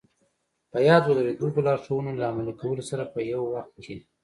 په ياد ولرئ د دغو لارښوونو له عملي کولو سره په يوه وخت کې.